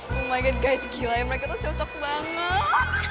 oh my god guys gila ya mereka tuh cocok banget